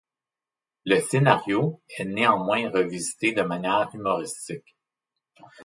Le scénario est néanmoins revisité de manière humoristique.